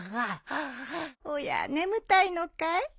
おや眠たいのかい？